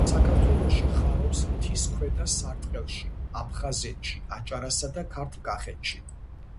საქართველოში ხარობს მთის ქვედა სარტყელში აფხაზეთში, აჭარასა და ქართლ-კახეთში.